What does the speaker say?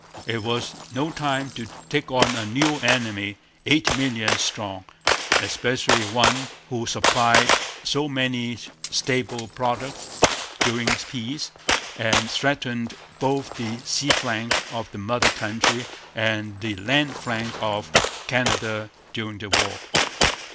It was no time to take on a new enemy, eight millions strong, especially one who supplied so many staple products during peace and threatened both the sea flank of the mother country and the land flank of Canada during war.